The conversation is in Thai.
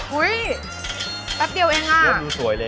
แป๊บเดียวเองอ่ะเริ่มดูสวยเลย